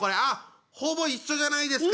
ほぼ一緒じゃないですか？